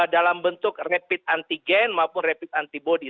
dalam bentuk rapid antigen maupun rapid antibody